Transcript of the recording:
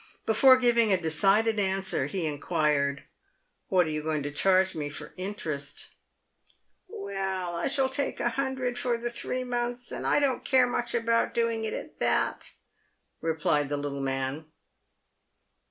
Before giving a decided answer, he inquired, " What are you going to charge me for interest ?"" Well, I shall take a hundred for the three months, and I don't care much about doing it at that," replied the little man.